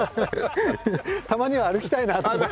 たまには歩きたいなと思って。